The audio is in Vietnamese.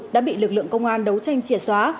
đã bị lực lượng công an đấu tranh chìa xóa